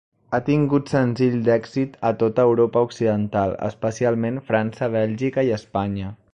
Ha tingut senzills d'èxit a tota Europa Occidental, especialment a França, Bèlgica i Espanya.